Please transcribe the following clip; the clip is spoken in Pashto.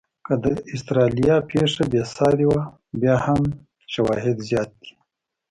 که د استرالیا پېښه بې ساري وه، بیا هم شواهد زیات دي.